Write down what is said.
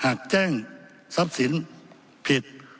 แจ้งทรัพย์สินผิด